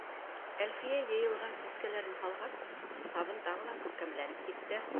Әлфиә йыйылған сәскәләрен һалғас, табын тағы ла күркәмләнеп китте.